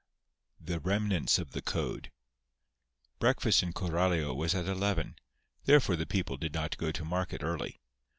'" XI THE REMNANTS OF THE CODE Breakfast in Coralio was at eleven. Therefore the people did not go to market early.